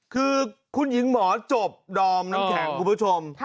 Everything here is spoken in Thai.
คือคุณหญิงหมอจบดอมน้ำแข็งคุณผู้ชม